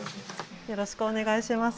よろしくお願いします